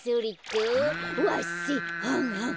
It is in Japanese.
わっせはんはん。